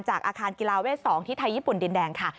อาคารกีฬาเวท๒ที่ไทยญี่ปุ่นดินแดงค่ะ